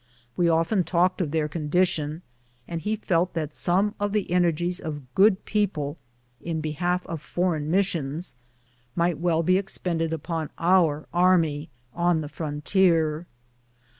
We often talked of their condition, and he felt that some of the ener gies of good people in behalf of foreign missions might well be expended upon our army on the frontier.